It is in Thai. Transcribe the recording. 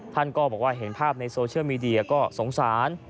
ท่านก็บอกว่าเห็นภาพในโซเชียลมีเดียก็สงสาร